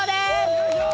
よいしょ！